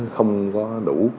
không có đủ